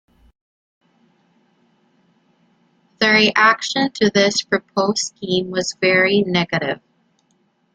The reaction to this proposed scheme was very negative.